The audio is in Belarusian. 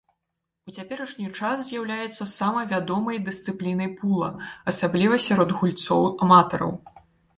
У цяперашні час з'яўляецца самай вядомай дысцыплінай пула, асабліва сярод гульцоў-аматараў.